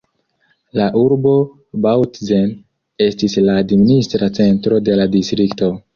La urbo Bautzen estis la administra centro de la distrikto.